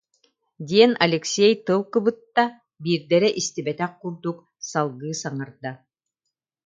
диэн Алексей тыл кыбытта, биирдэрэ истибэтэх курдук салгыы саҥарда: